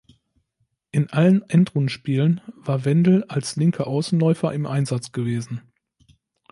In allen Endrundenspielen war Wendl als linker Außenläufer im Einsatz gewesen.